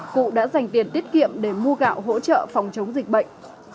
cụ đã dành tiền tiết kiệm để mua gạo hỗ trợ phòng chống dịch bệnh